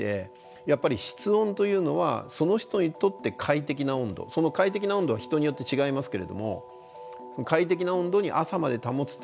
やっぱり室温というのはその人にとって快適な温度その快適な温度は人によって違いますけれども快適な温度に朝まで保つというのが大事です。